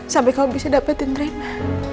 sampai kamu bisa dapetin rena